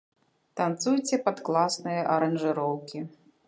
Танцуйце пад класныя аранжыроўкі.